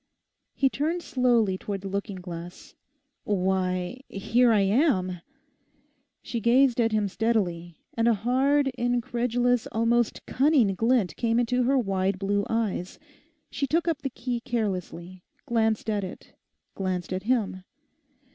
He turned slowly towards the looking glass. 'Why, here I am!' She gazed at him steadily; and a hard, incredulous, almost cunning glint came into her wide blue eyes. She took up the key carelessly, glanced at it; glanced at him.